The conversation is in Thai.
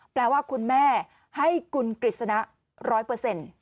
แปลว่าคุณแม่ให้คุณกฤษณะร้อยเปอร์เซ็นต์